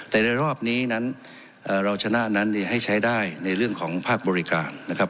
แต่ในรอบนี้นั้นเราชนะนั้นให้ใช้ได้ในเรื่องของภาคบริการนะครับ